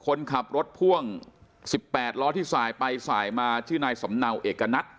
คนขับรถพ่วง๑๘ล้อที่สายไปสายมาชื่อนายสำเนาเอกณัฐ